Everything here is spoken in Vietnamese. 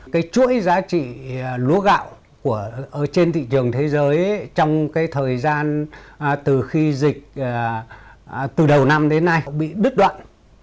cái chuỗi giá trị lúa gạo trên thị trường thế giới trong cái thời gian từ khi dịch từ đầu năm đến nay bị đứt đoạn